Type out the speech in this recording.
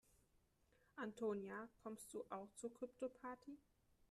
Antonia, kommst du auch zur Kryptoparty?